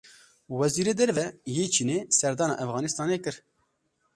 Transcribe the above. Wezîrê Derve yê Çînê serdana Efxanistanê kir.